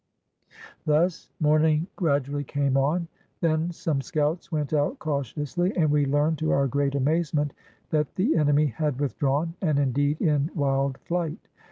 Thus morning gradually came on. Then some scouts went out cautiously and we learned to our great amaze ment that the enemy had withdrawn, and indeed in wild flight.